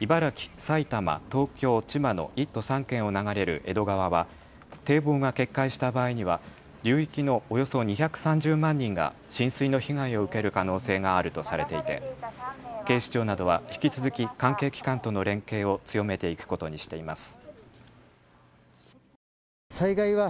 茨城、埼玉、東京、千葉の１都３県を流れる江戸川は堤防が決壊した場合には流域のおよそ２３０万人が浸水の被害を受ける可能性があるとされていて警視庁などは引き続き関係機関との連携を強めていくことにしています。